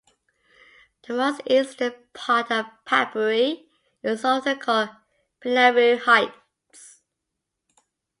The most eastern part of Padbury is often called Pinnaroo Heights.